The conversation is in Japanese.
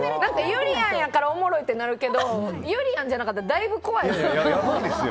ゆりやんやからおもろいってなるけどゆりやんじゃなかったらだいぶ怖い。